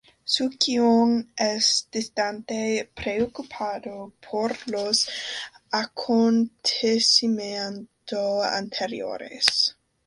Su-Kyoung es distante, preocupado por los acontecimientos anteriores.